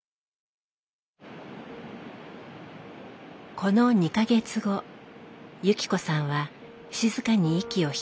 この２か月後由紀子さんは静かに息を引き取りました。